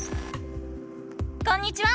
こんにちは！